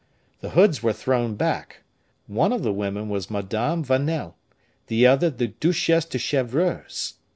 The hoods were thrown back: one of the women was Madame Vanel, the other the Duchesse de Chevreuse.